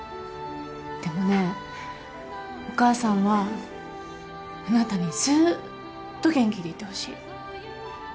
でもねお母さんはあなたにずっと元気でいてほしい。